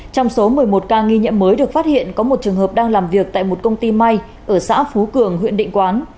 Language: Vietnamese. trong số một mươi một ca nghi nhiễm mới được phát hiện có một trường hợp đang làm việc tại một công ty may ở xã phú cường huyện định quán